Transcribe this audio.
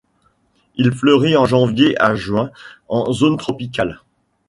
Il fleurit de janvier à juin en zone tropicale.